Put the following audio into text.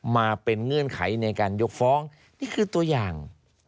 มาเป็นเงื่อนไขในการยกฟ้องนี่คือตัวอย่าง